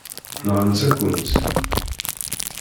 Nɣant-akent-tt.